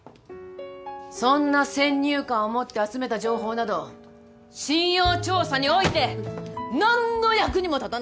そんな先入観を持って集めた情報など信用調査において何の役にも立たない。